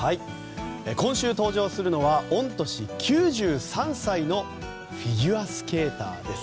今週登場するのは御年９３歳のフィギュアスケーターです。